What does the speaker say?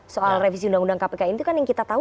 soal revisi undang undang kpk itu kan yang kita tahu